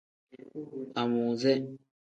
Amuuze.